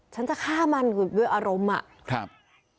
ฉันจะฆ่ามันด้วยอารมณ์อ่ะใช่ไหมครับครับ